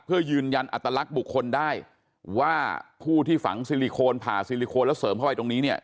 เพื่อยืนยันอัตลักษณ์บุคคลได้ว่าผู้ที่ฝังซิลิโคนผ่าซิลิโคนแล้วเสริมเข้าไปตรงนี้เนี่ย